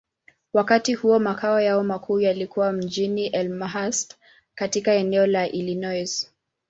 Wakati huo, makao yao makuu yalikuwa mjini Elmhurst, katika eneo la Illinois.